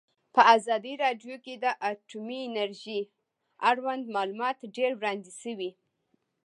په ازادي راډیو کې د اټومي انرژي اړوند معلومات ډېر وړاندې شوي.